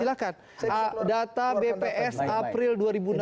silahkan data bps april dua ribu enam belas